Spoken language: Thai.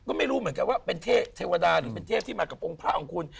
ก็ไม่รู้เหมือนกันว่าเป็นเทวดาหรือเป็นเทพที่มากับองค์พระของคุณ